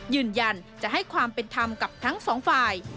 ยืนยันจะให้ความเป็นธรรมกับทั้งสองฝ่าย